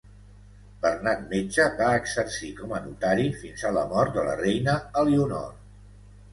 Bernat Metge va exercir com a notari fins a la mort de la reina Elionor.